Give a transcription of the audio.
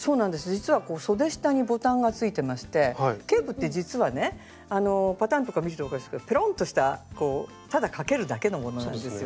実はそで下にボタンがついてましてケープって実はねパターンとか見ると分かるんですけどペロンとしたただ掛けるだけのものなんですよね。